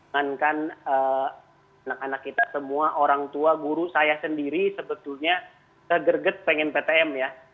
mengankan anak anak kita semua orang tua guru saya sendiri sebetulnya kegerget pengen ptm ya